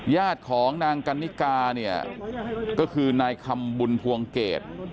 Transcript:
ญาติของนางกันนิกาเนี่ยก็คือนายคำบุญภวงเกต